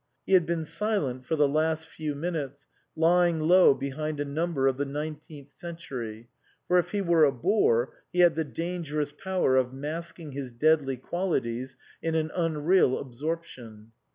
He had been silent for the last few minutes, lying low behind a number of the Nineteenth Century, for if he were a bore he had the dangerous power of masking his deadly qualities in an unreal absorption.